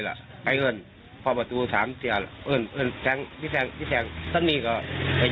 กล้าไปเงินประมาทรูสามเซียนเอินในแรงที่แซงออกให้แย้วออกมาเลย